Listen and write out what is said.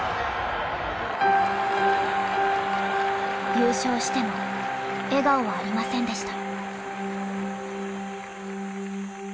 優勝しても笑顔はありませんでした。